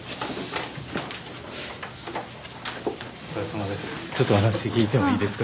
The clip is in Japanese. お疲れさまです。